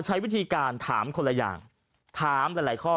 ใช้วิธีการถามคนละอย่างถามหลายข้อ